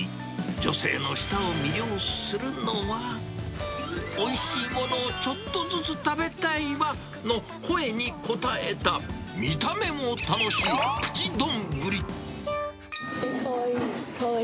女性の舌を魅了するのは、おいしいものをちょっとずつ食べたいわの声に応えた、かわいい。